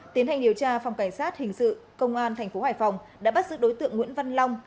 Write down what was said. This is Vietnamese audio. tiến hành điều tra phòng cảnh sát hình sự công an thành phố hải phòng đã bắt giữ đối tượng nguyễn văn long